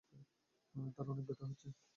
তার অনেক ব্যথা হচ্ছে।